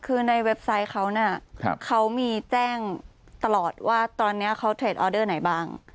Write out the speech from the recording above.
คือในเว็บไซต์เขาน่ะเขามีแจ้งตลอดว่าตอนนี้เขาเทรดออเดอร์ไหนบ้าง